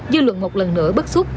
dư luận một lần nữa bất xúc